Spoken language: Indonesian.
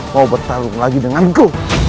mau bertarung lagi denganku